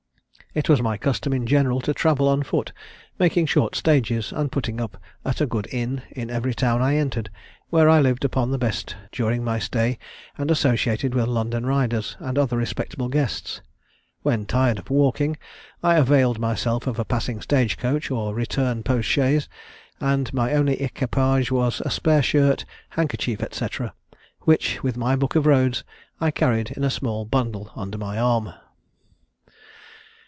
It was my custom in general to travel on foot, making short stages, and putting up at a good inn in every town I entered, where I lived upon the best during my stay, and associated with London riders, and other respectable guests. When tired of walking. I availed myself of a passing stage coach or return post chaise; and my only equipage was a spare shirt, handkerchief, &c. which, with my 'Book of Roads,' I carried in a small bundle under my arm."